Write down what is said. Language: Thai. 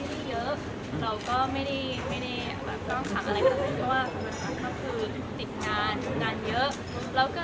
แล้ววันนี้คนมาคอมเมนต์ในที่เรา